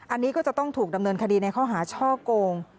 อันนี้ก็จะต้องถูกดำเนินคดีในข้อหาช่อโกง